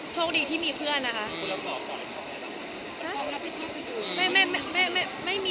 โชคดีที่มีเพื่อนนะคะ